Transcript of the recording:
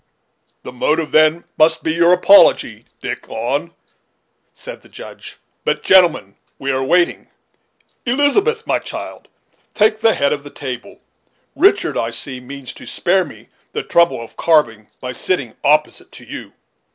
"The motive, then, must be your apology, Dick," said the Judge. "But, gentlemen, we are waiting. Elizabeth, my child, take the head of the table; Richard, I see, means to spare me the trouble of carving, by sitting opposite to you."